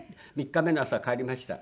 ３日目の朝帰りました。